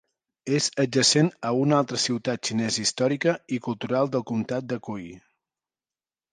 És adjacent a una altra ciutat xinesa històrica i cultural del comtat de Qi.